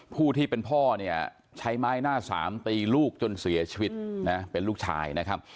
ผู้ที่เป็นพ่อเนี่ยใช้ไม้หน้าสามตีลูกจนเสียชีวิตนะเป็นลูกชายนะครับ